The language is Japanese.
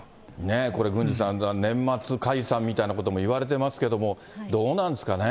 これ郡司さん、年末解散みたいなこともいわれてますけども、どうなんですかね。